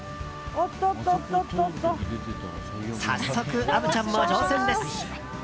早速、虻ちゃんも乗船です。